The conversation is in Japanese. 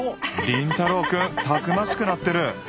凛太郎くんたくましくなってる！